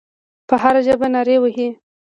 په هره ژبه نارې وهي.